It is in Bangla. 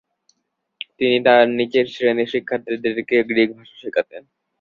তিনি তার নিচের শ্রেনীর শিক্ষার্থীদেরকে গ্রীক ভাষা শেখাতেন।